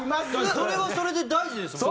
それはそれで大事ですもんね